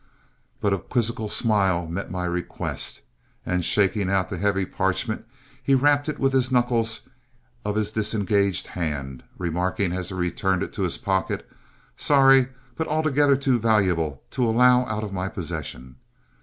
But a quizzical smile met my request, and shaking out the heavy parchment, he rapped it with the knuckles of his disengaged hand, remarking as he returned it to his pocket, "Sorry, but altogether too valuable to allow out of my possession."